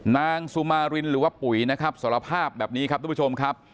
นางสุมารินหรือว่าปุ๋ยนะครับสารภาพแบบนี้ครับทุกผู้ชมครับ